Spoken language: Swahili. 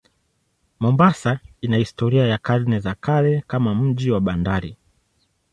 Mombasa ina historia ya karne za kale kama mji wa bandari.